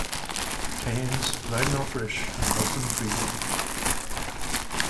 Keynes, Ragnar Frisch and Milton Friedman.